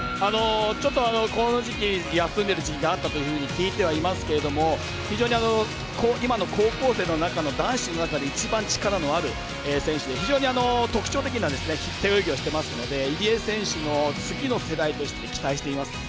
ちょっと休んでいる時期があったと聞いてはいますけれども非常に、今の高校生の中の男子の中で一番力のある選手で非常に特徴的な背泳ぎをしていますので入江選手の次の世代として期待しています。